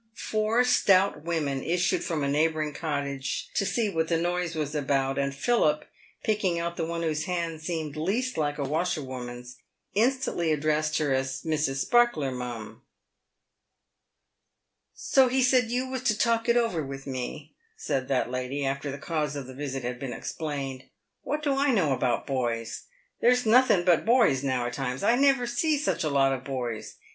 Pour stout women issued from a neighbouring cottage to see what the noise was about, and Philip, picking out the one whose hands seemed least like a washerwoman's, instantly addressed her as " Mrs. Sparkler, mum." " So he said you was to talk it over with me," said that lady, after the cause of the visit had been explained. " "What do I know about * boys ?' There's nothen but boys now a times ; I never see such a lot of boys.